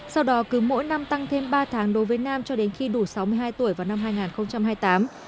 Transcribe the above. sau đó cứ mỗi năm tăng thêm ba tháng đối với nam cho đến khi đủ sáu mươi hai tuổi vào năm hai nghìn hai mươi tám